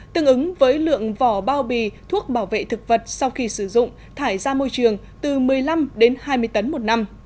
tương ứng với lượng vỏ bao bì thuốc bảo vệ thực vật sau khi sử dụng thải ra môi trường từ một mươi năm đến hai mươi tấn một năm